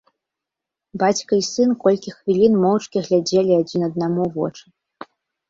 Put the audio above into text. Бацька і сын колькі хвілін моўчкі глядзелі адзін аднаму ў вочы.